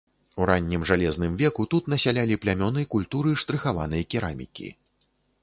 У раннім жалезным веку тут насялялі плямёны культуры штрыхаванай керамікі.